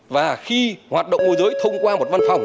và khi hoạt động môi giới thông qua một văn phòng